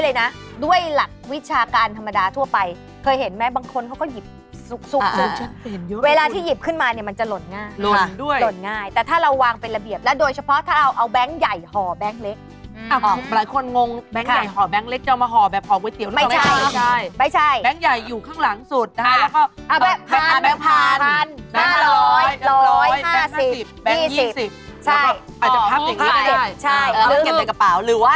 เป็นหลักวิชาการธรรมดาทั่วไปเคยเห็นไหมบางคนเขาก็หยิบสุกเวลาที่หยิบขึ้นมาเนี่ยมันจะหล่นง่ายหล่นด้วยหล่นง่ายแต่ถ้าเราวางเป็นระเบียบแล้วโดยเฉพาะถ้าเอาแบงค์ใหญ่ห่อแบงค์เล็กหลายคนงงแบงค์ใหญ่ห่อแบงค์เล็กจะเอามาห่อแบบห่อก๋วยเตี๋ยวไม่ใช่แบงค์ใหญ่อยู่ข้างหลังสุดนะคะแล้วก็แบ